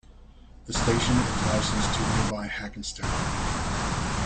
The station is licensed to nearby Hackettstown.